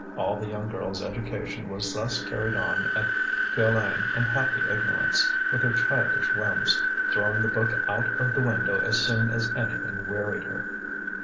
All the young girl's education was thus carried on at Piolaine in happy ignorance, with her childish whims, throwing the book out of the window as soon as anything wearied her.